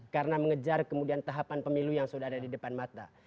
karena mengejar kemudian tahapan pemilu yang sudah ada di depan mata